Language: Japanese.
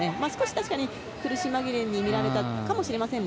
確かに苦し紛れに見られたかもしれません。